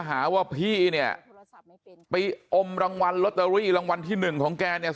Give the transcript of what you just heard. หาว่าพี่เนี่ยไปอมรางวัลลอตเตอรี่รางวัลที่หนึ่งของแกเนี่ย